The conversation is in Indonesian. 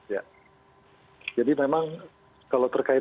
ya jadi memang kalau terkait